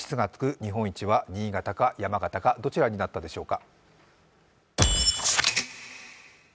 日本一は新潟か山形か、どちらになったでしょうか